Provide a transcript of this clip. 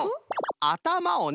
あたまをね